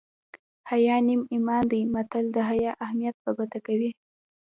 حیا نیم ایمان دی متل د حیا اهمیت په ګوته کوي